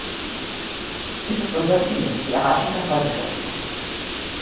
Dies ist unser Ziel, die Erreichung der Vollbeschäftigung.